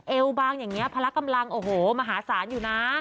เอวบางอย่างนี้พละกำลังโอ้โหมหาศาลอยู่นะ